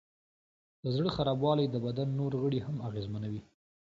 د زړه خرابوالی د بدن نور غړي هم اغېزمنوي.